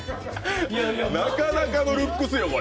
なかなかのルックスよ、これ。